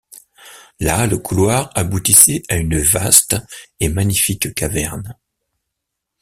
Là, le couloir aboutissait à une vaste et magnifique caverne